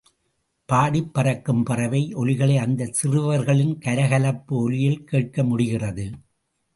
பாடிப் பறக்கும் பறவை ஒலிகளை அந்தச் சிறுவர்களின் கலகலப்பு ஒலியில் கேட்க முடிகிறது.